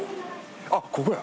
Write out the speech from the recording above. あっここや。